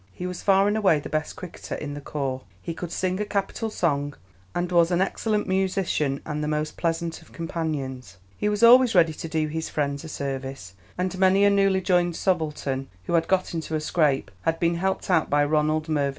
He was far and away the best cricketer in the corps; he could sing a capital song, and was an excellent musician and the most pleasant of companions. He was always ready to do his friends a service, and many a newly joined subaltern who got into a scrape had been helped out by Ronald Mervyn's purse.